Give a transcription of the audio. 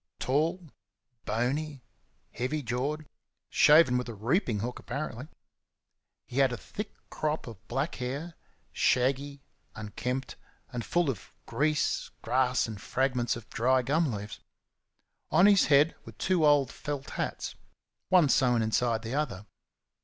Tall, bony, heavy jawed, shaven with a reaping hook, apparently. He had a thick crop of black hair shaggy, unkempt, and full of grease, grass, and fragments of dry gum leaves. On his head were two old felt hats one sewn inside the other.